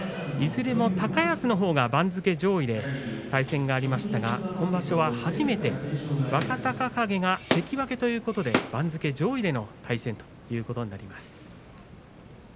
いずれも高安のほうが番付上位で対戦がありましたが今場所は初めて若隆景が関脇ということで番付上位での対戦ということになります。